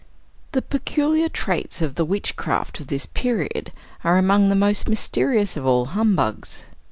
The peculiar traits of the witchcraft of this period are among the most mysterious of all humbugs.